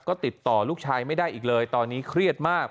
ก็ติดต่อลูกชายไม่ได้อีกเลยตอนนี้เครียดมาก